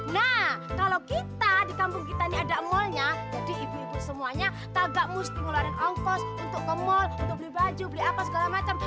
nah kalau kita di kampung kita ini ada mallnya jadi ibu ibu semuanya kagak mesti ngeluarin ongkos untuk ke mal untuk beli baju beli apa segala macam